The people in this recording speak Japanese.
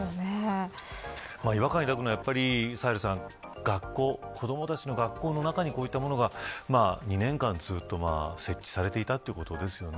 違和感を抱くのはサヘルさん子どもたちの学校の中にこういったものが２年間ずっと設置されていたということですよね。